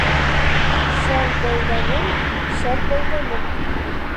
Шәл бәйләнем, шәл бәйләнем